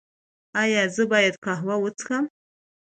ایا زه باید قهوه وڅښم؟